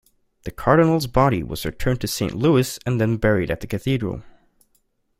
The Cardinal's body was returned to Saint Louis and then buried at the Cathedral.